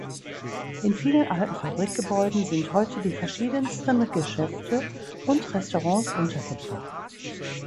In vielen alten Fabrikgebäuden sind heute die verschiedensten Geschäfte und Restaurants untergebracht.